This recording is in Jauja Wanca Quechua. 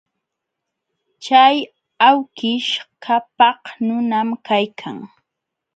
Chay awkish qapaq nunam kaykan.